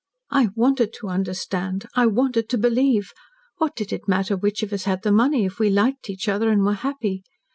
"I WANTED to understand. I WANTED to believe. What did it matter which of us had the money, if we liked each other and were happy?